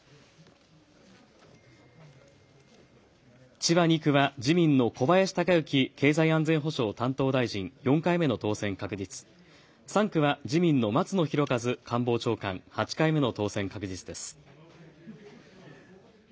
千葉２区は自民の小林鷹之経済安全保障担当大臣、４回目の当選確実、３区は自民の松野博一官房長官、８回目の当選確実です。